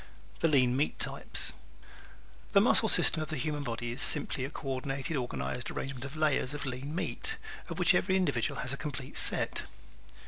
The "Lean Meat" Type ¶ The muscle system of the human body is simply a co ordinated, organized arrangement of layers of lean meat, of which every individual has a complete set.